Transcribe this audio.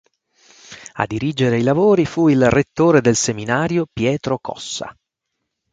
A dirigere i lavori fu il rettore del seminario Pietro Cossa.